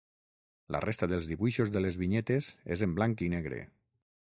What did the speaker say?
La resta dels dibuixos de les vinyetes és en blanc i negre.